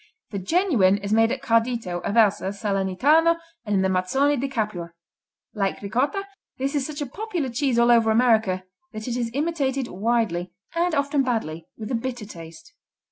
The genuine is made at Cardito, Aversa, Salernitano and in the Mazzoni di Capua. Like Ricotta, this is such a popular cheese all over America that it is imitated widely, and often badly, with a bitter taste.